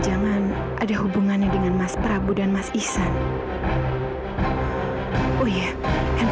amira jadi cuman bantuin dia doang